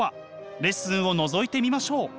レッスンをのぞいてみましょう。